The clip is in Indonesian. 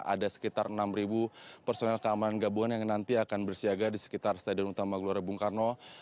ada sekitar enam personel keamanan gabungan yang nanti akan bersiaga di sekitar stadion utama gelora bung karno